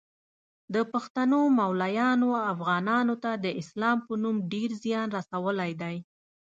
د پښتنو مولایانو افغانانو ته د اسلام په نوم ډیر ځیان رسولی دی